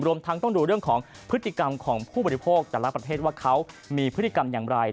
ทั้งต้องดูเรื่องของพฤติกรรมของผู้บริโภคแต่ละประเทศว่าเขามีพฤติกรรมอย่างไร